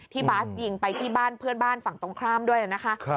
บาสยิงไปที่บ้านเพื่อนบ้านฝั่งตรงข้ามด้วยนะคะ